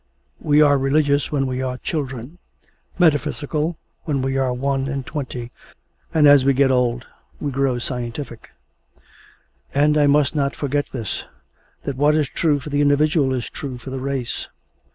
We are religious when we are children, metaphysical when we are one and twenty, and as we get old we grow scientific. And I must not forget this, that what is true for the individual is true for the race.